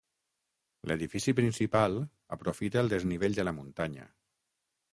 L'edifici principal aprofita el desnivell de la muntanya.